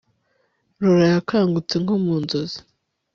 Laura yakangutse nko mu nzozi